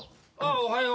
おはよう。